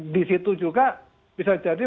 di situ juga bisa jadi